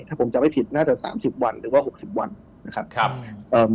ถ้าผมจำไม่ผิดน่าจะ๓๐วันหรือว่า๖๐วันนะครับ